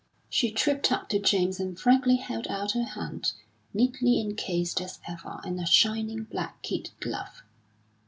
She tripped up to James and frankly held out her hand, neatly encased as ever in a shining black kid glove.